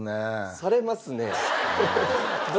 されますね。